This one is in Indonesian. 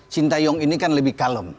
shin tae yong ini kan lebih kalem